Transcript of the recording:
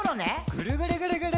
ぐるぐるぐるぐる。